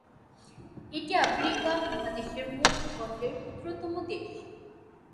এটি আফ্রিকা মহাদেশের মূল ভূখন্ডের ক্ষুদ্রতম দেশ।